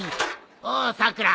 おうさくら